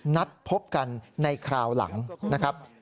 นัดพบกันในคราวหลังนะครับ